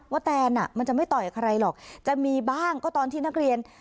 แตนมันจะไม่ต่อยใครหรอกจะมีบ้างก็ตอนที่นักเรียน